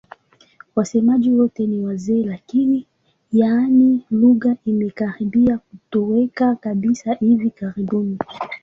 Wasemaji wote ni wazee lakini, yaani lugha imekaribia kutoweka kabisa hivi karibuni.